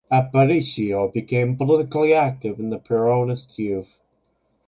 Aparicio became politically active in the Peronist Youth.